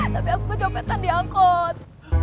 tapi aku kecopetan diangkut